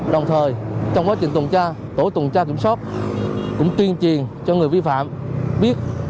đồng thời trong quá trình tổ tùng tra kiểm soát cũng tuyên truyền cho người vi phạm biết